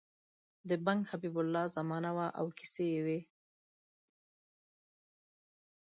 د بنګ حبیب الله زمانه وه او کیسې یې وې.